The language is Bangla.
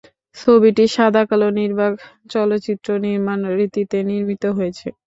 ছবিটি সাদাকালো নির্বাক চলচ্চিত্র নির্মাণ রীতিতে নির্মিত হয়েছে।